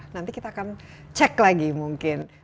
nanti kita akan cek lagi mungkin